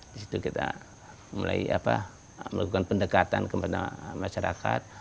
di situ kita mulai melakukan pendekatan kepada masyarakat